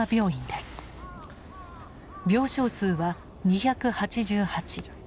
病床数は２８８。